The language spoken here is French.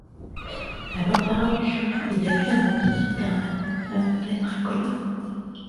La porte-parole du jury est actuellement Birgit Lermen, femme de lettres à Cologne.